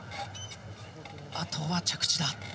あとは着地だ。